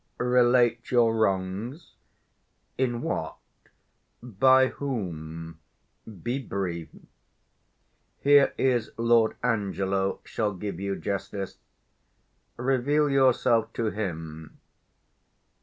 _ Relate your wrongs; in what? by whom? be brief. Here is Lord Angelo shall give you justice: Reveal yourself to him.